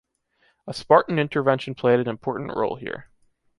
A spartan intervention played an important role here.